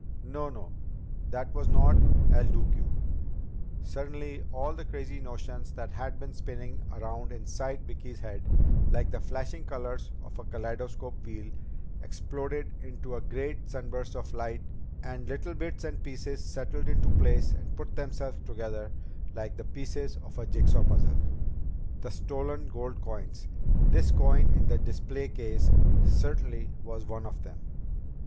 No, no. That was not El Duque." Suddenly all the crazy notions that had been spinning around inside Vicki's head, like the flashing colors of a kaleidoscope wheel, exploded into a great sunburst of light, and little bits and pieces settled into place and put themselves together like the pieces of a jigsaw puzzle. The stolen gold coins! This coin in the display case certainly was one of them!